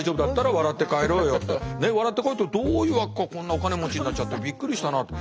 笑って帰ったらどういうわけかこんなお金持ちになっちゃってびっくりしたなって。